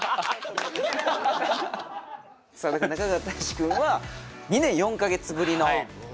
さあ中川大志君は２年４か月ぶりの出演。